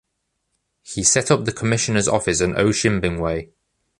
He set up the commissioner’s office in Otjimbingwe.